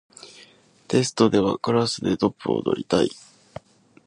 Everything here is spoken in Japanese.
テストではクラスでトップを取りたい